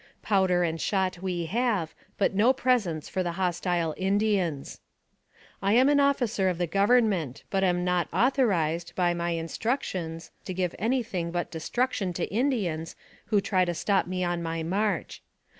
Powder and shot we have, but no presents for the hostile Indians. " I am an officer of the Government, but am not authorized, by my instructions to give any thing but destruction to Indians who try to stop me on my march.